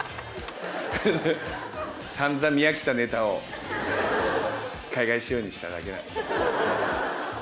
さんざん見飽きたネタを、海外仕様にしただけなんで。